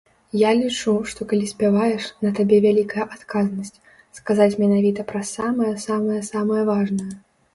Я лічу, што, калі спяваеш, на табе вялікая адказнасць, сказаць менавіта пра самае-самае-самае важнае.